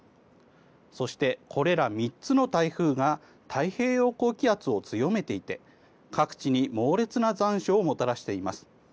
そして、これら３つの台風が太平洋高気圧を強めていて各地に猛烈な残暑をもたらしています。